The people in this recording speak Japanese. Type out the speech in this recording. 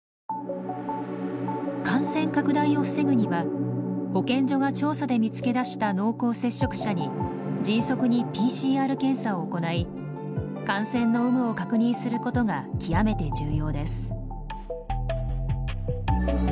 感染拡大を防ぐには保健所が調査で見つけ出した濃厚接触者に迅速にＰＣＲ検査を行い感染の有無を確認することが極めて重要です。